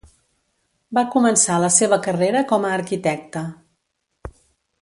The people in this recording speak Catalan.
Va començar la seva carrera com a arquitecta.